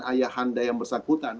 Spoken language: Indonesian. ayah handa yang bersangkutan